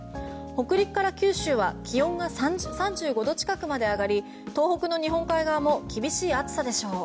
北陸から九州は気温が３５度近くまで上がり東北の日本海側も厳しい暑さでしょう。